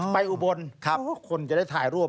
อุบลคนจะได้ถ่ายรูป